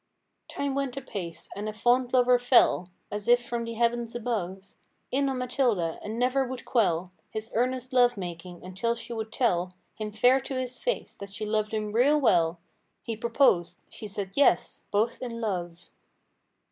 223 Time went apace, and a fond lover fell— (As if from the heavens above) In on Maltida and never would quell His earnest love making, until she would tell, Him fair to his face, that she loved him real well. He proposed. She said "yes"—both in love.